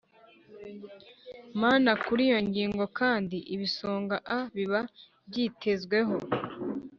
mana Kuri iyo ngingo kandi ibisonga a biba byitezweho